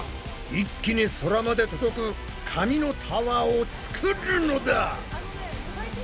一気に空まで届く紙のタワーを作るのだ！